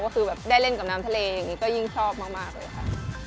ก็คือแบบได้เล่นกับน้ำทะเลอย่างนี้ก็ยิ่งชอบมากเลยค่ะ